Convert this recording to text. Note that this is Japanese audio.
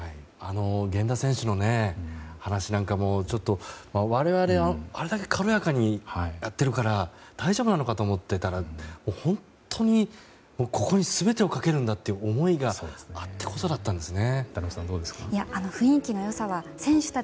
源田選手の話なんかも我々は、あれだけ軽やかにやっているから大丈夫なのかと思っていたら本当にここに全てをかけるんだという思いがあってこそだったんですね。